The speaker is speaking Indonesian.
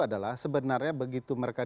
adalah sebenarnya begitu mereka